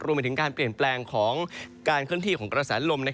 รวมไปถึงการเปลี่ยนแปลงของการเคลื่อนที่ของกระแสลม